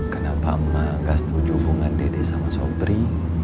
kenapa emak gak setuju hubungan dede sama sopri